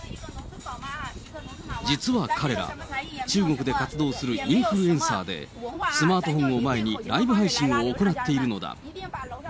実は彼ら、中国で活動するインフルエンサーで、スマートフォンを前に、ライブ配信を行っているのだ。